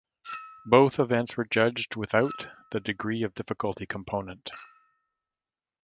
Both events were judged without the degree of difficulty component.